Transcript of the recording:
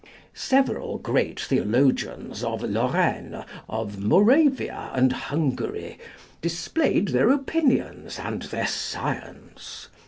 Several great theologians of Lorraine, of Moravia, and Hungary, displayed their opinions and their science.